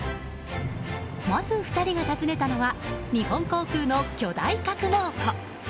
まず２人が訪ねたのは日本航空の巨大格納庫。